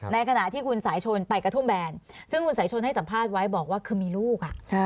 ในขณะที่คุณสายชนไปกระทุ่มแบนซึ่งคุณสายชนให้สัมภาษณ์ไว้บอกว่าคือมีลูก